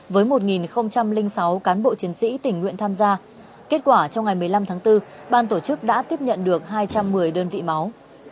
với một sáu cán bộ chiến sĩ tình nguyện tham gia kết quả trong ngày một mươi năm tháng bốn ban tổ chức đã tiếp nhận được hai trăm một mươi đơn vị máu